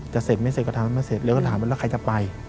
เสร็จไม่เสร็จก็ถามไม่เสร็จเราก็ถามว่าแล้วใครจะไป